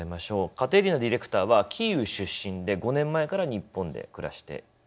カテリーナディレクターはキーウ出身で５年前から日本で暮らしています。